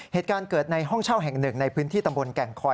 เหตุการณ์เกิดในห้องเช่าแห่งหนึ่งในพื้นที่ตำบลแก่งคอย